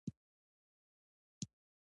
فقره د متن ښکلا زیاتوي.